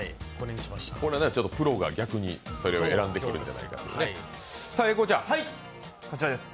これ、プロが逆にそれを選んでくるんじゃないかと。